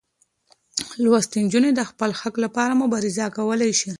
لوستې نجونې د خپل حق لپاره مبارزه کولی شي.